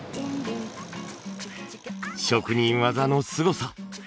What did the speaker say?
職人技のすごさ。